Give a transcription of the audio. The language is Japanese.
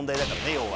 要は。